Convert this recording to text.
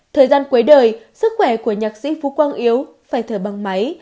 thời gian cuối đời sức khỏe của nhạc sĩ phú quang yếu phải thở bằng máy